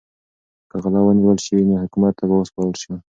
که غله ونیول شي نو حکومت ته به وسپارل شي.